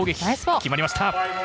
決まりました。